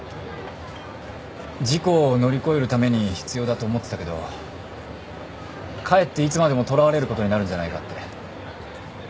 事故を乗り越えるために必要だと思ってたけどかえっていつまでもとらわれることになるんじゃないかって。